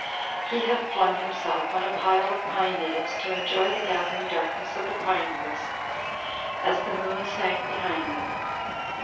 He had flung himself on a pile of pine needles to en joy the gathering darkness of the pinewoods as the moon sank behind them.